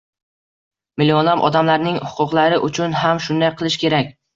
Millionlab odamlarning huquqlari uchun ham shunday qilish kerak.